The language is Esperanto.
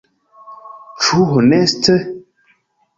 Ĉu honeste?